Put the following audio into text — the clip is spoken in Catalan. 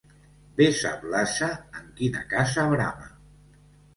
Bé sap l'ase en quina casa brama.